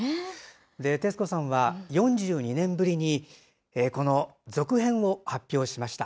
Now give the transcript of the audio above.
徹子さんは４２年ぶりにこの続編を発表しました。